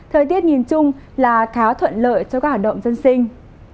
thời tiết nhìn chung là tháo thuận lợi cho các hoạt động dân sinh